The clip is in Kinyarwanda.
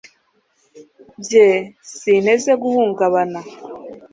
bye, sinteze guhungabana